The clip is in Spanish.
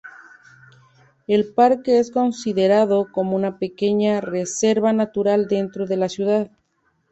El parque es considerado como una pequeña reserva natural dentro de la ciudad.